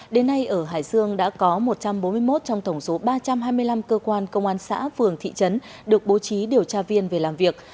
đến nay ở hải dương đã có một trăm bốn mươi một trong tổng số ba trăm hai mươi năm cơ quan công an xã phường thị trấn được bố trí điều tra viên về làm việc